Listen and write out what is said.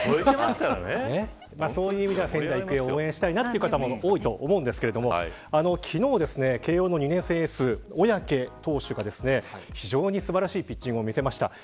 そういう意味では仙台育英を応援したいなという方も多いと思うんですけど昨日、慶応の２年生エース小宅投手が、非常に素晴らしいピッチングを見せました。